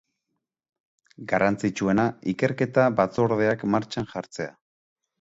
Garrantzitsuena, ikerketa batzordeak martxan jartzea.